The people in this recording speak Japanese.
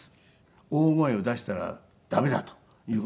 大声を出したら駄目だという事で歌舞伎座から。